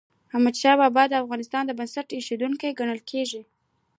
احمدشاه بابا د افغانستان بنسټ ايښودونکی ګڼل کېږي.